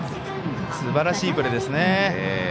すばらしいプレーですね。